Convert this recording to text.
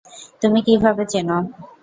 তুমি কীভাবে চেনো?